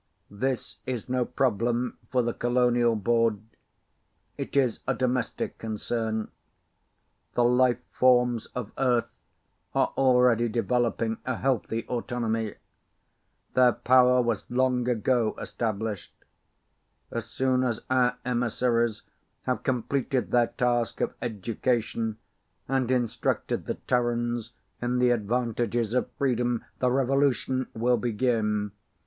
This is no problem for the Colonial Board. It is a domestic concern. The life forms of Earth are already developing a healthy autonomy. Their power was long ago established. As soon as our emissaries have completed their task of education and instructed the Terrans in the advantages of freedom, the Revolution will begin.